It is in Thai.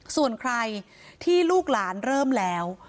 ส่วนใครที่ลูกหลานเริ่มแล้ว